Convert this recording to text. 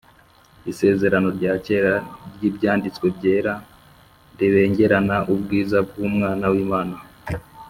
Isezerano rya Kera ry’Ibyanditswe Byera ribengerana ubwiza bw’Umwana w’Imana